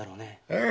ええ。